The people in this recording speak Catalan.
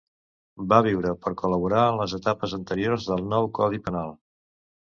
Va viure per col·laborar en les etapes anteriors del nou codi penal.